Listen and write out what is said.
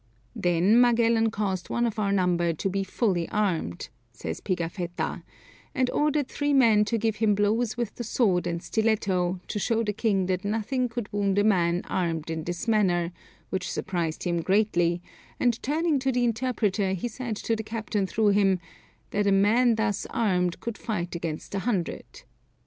"Then Magellan caused one of our number to be fully armed," says Pigafetta, "and ordered three men to give him blows with the sword and stiletto, to show the king that nothing could wound a man armed in this manner, which surprised him greatly, and turning to the interpreter he said to the captain through him, 'that a man thus armed, could fight against a hundred.'